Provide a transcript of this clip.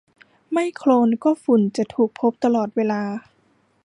ไม่โคลนก็ฝุ่นจะถูกพบตลอดเวลา